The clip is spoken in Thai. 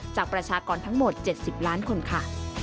ประชากรทั้งหมด๗๐ล้านคนค่ะ